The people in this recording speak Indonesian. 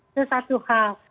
itu satu hal